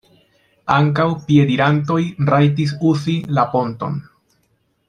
Ankaŭ piedirantoj rajtis uzi la ponton.